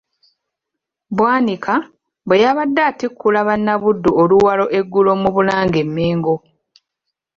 Bwanika, bwe yabadde atikkula Bannabuddu oluwalo eggulo mu Bulange e Mmengo.